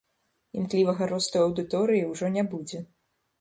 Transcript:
Імклівага росту аўдыторыі ўжо не будзе.